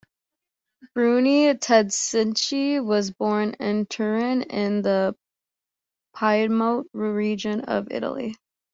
Bruni Tedeschi was born in Turin, in the Piedmont region of Italy.